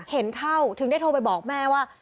เห็นเข้าถึงได้โทรไปบอกแม่ว่า